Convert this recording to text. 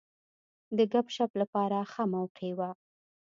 د ګپ شپ لپاره ښه موقع وه.